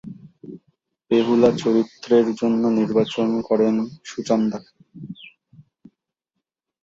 বেহুলা চরিত্রের জন্য নির্বাচন করেন সূচন্দাকে।